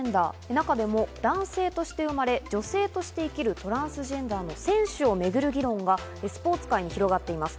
中でも男性として生まれ、女性として生きるトランスジェンダーの選手をめぐる議論がスポーツ界に広がっています。